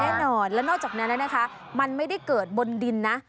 แน่นอนแล้วนอกจากนั้นนะคะมันไม่ได้เกิดบนดินนะ